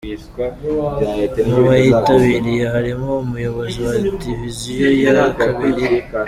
Mu bayitabiriye harimo Umuyobozi wa Diviziyo ya kabiri, Brig.